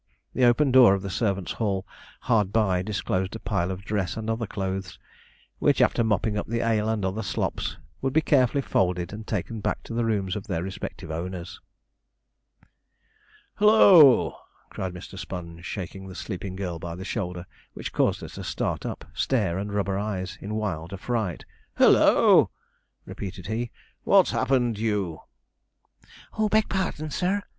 The open door of the servants' hall hard by disclosed a pile of dress and other clothes, which, after mopping up the ale and other slops, would be carefully folded and taken back to the rooms of their respective owners. [Illustration: DOMESTIC ECONOMY OF NONSUCH HOUSE] 'Halloo!' cried Mr. Sponge, shaking the sleeping girl by the shoulder, which caused her to start up, stare, and rub her eyes in wild affright. 'Halloo!' repeated he, 'what's happened you?' 'Oh, beg pardon, sir!'